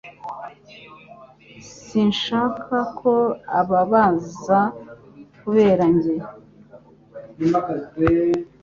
Sinshaka ko ubabaza kubera njye